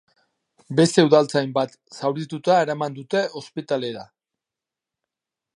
Beste udaltzain bat zaurituta eraman dute ospitalera.